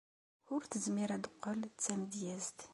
Ur tezmir ad teqqel d tamedyazt.